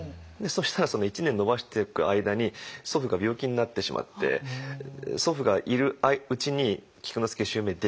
そしたら１年延ばしていく間に祖父が病気になってしまって祖父がいるうちに菊之助襲名できなかったんです。